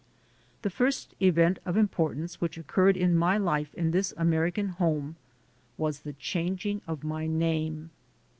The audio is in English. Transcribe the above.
The first event of importance which occurred in my life in this American home was the changing of my name.